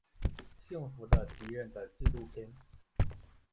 幸福的敌人的纪录片。